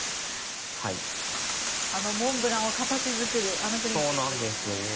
あのモンブランを形づくるあのクリームですね。